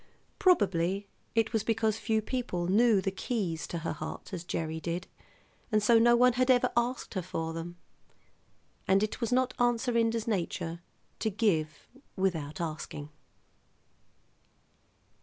Probably it was because few people knew the keys to her heart as Gerry did, and so no one had ever asked her for them. And it was not Aunt Serinda's nature to give without asking.